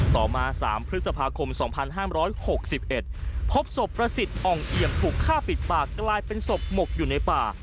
ต่อมา๓พฤษภาคม๒๕๖๑พบศพประสิทธิ์อ่องเอี่ยมถูกฆ่าปิดปากกลายเป็นศพหมกอยู่ในป่า